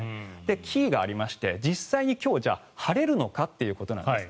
キーがありまして実際に今日は晴れるのかということなんです。